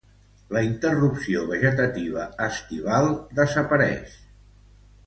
La interrupció vegetativa estival desapareix.